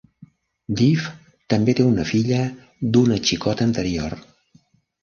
Dif també té una filla d"una xicota anterior.